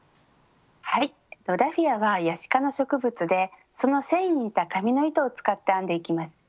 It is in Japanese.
はいラフィアはヤシ科の植物でその繊維に似た紙の糸を使って編んでいきます。